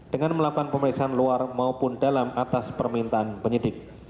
dengan melakukan pemeriksaan luar maupun dalam atas permintaan penyidik